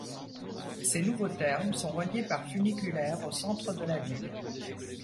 Ces nouveaux thermes sont reliés par funiculaire au centre de la ville.